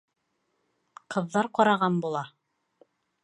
Ҡыҙҙар ҡараған була.